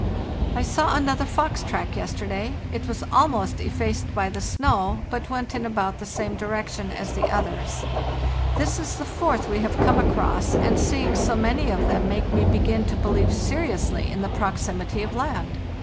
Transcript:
"T saw another fox track yesterday; it was almost effaced by the snow, but went in about the same di rection as the others. This is the fourth we have come across, and seeing so many of them make me begin to believe seriously in the proximity of land.